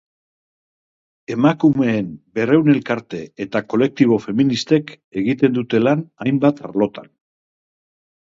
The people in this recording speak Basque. Emakumeen berrehun elkarte eta kolektibo feministek egiten dute lan hainbat arlotan.